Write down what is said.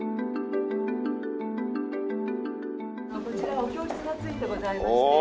こちらお教室がついてございまして。